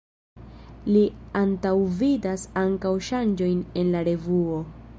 Li antaŭvidas ankaŭ ŝanĝojn en la revuo.